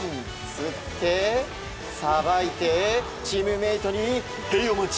釣って、さばいてチームメートにへい、お待ち！